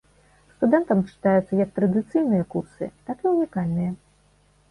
Студэнтам чытаюцца як традыцыйныя курсы, так і ўнікальныя.